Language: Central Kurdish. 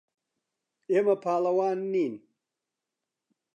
ئێمە پاڵەوان نین.